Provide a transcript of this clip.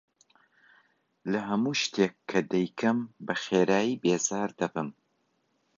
لە هەموو شتێک کە دەیکەم بەخێرایی بێزار دەبم.